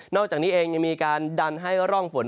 อกจากนี้เองยังมีการดันให้ร่องฝน